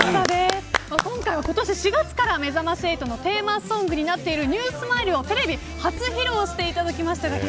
今回は今年４月からめざまし８のテーマソングになっているＮＥＷＳｍｉｌｅをテレビ初披露していただきました。